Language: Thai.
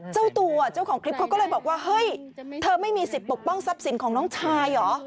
เจ้าตัวเจ้าของคลิปเขาก็เลยบอกว่าเฮ้ยเธอไม่มีสิทธิ์ปกป้องทรัพย์สินของน้องชายเหรอ